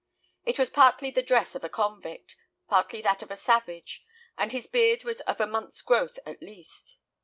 It was partly the dress of a convict, partly that of a savage, and his beard was of a month's growth at least."